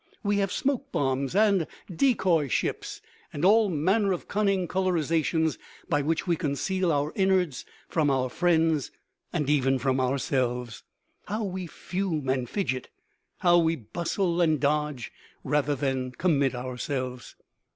We have smoke bombs and decoy ships and all manner of cunning colorizations by which we conceal our innards from our friends, and even from ourselves. How we fume and fidget, how we bustle and dodge rather than commit ourselves.